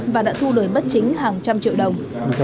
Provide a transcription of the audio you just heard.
và đã thu lời bất chính hàng trăm triệu đồng